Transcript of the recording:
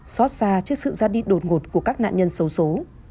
xót xa trước sự ra đi đột ngột của các nạn nhân xấu xố